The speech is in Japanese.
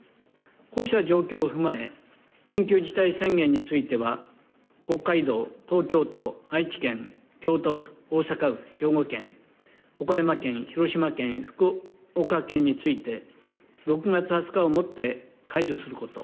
こうした状況を踏まえ、緊急事態宣言については、北海道、東京都、愛知県、京都府、大阪府、兵庫県、岡山県、広島県、福岡県について、６月２０日をもって解除すること。